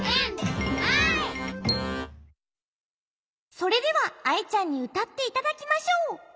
それではアイちゃんにうたっていただきましょう。